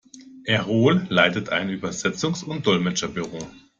Erol leitet einen Übersetzungs- und Dolmetscherbüro.